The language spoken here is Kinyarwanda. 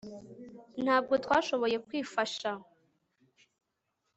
Ntabwo twashoboye kwifasha